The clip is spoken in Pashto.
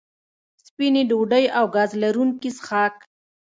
سپینې ډوډۍ او ګاز لرونکي څښاک